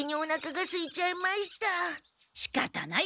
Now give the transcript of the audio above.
しかたない。